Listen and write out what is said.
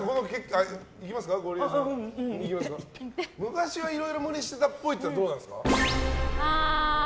昔はいろいろ無理してたっぽいっていうのはどうですか？